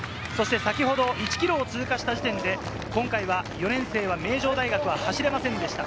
先ほど１ｋｍを通過した時点で、今回は４年生は名城大学は走れませんでした。